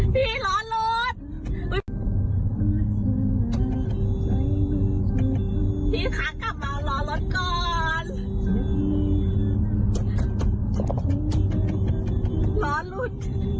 พี่รอรถ